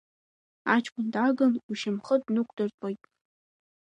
Аҷкәын дааган ушьамхы днықәдыртәоит…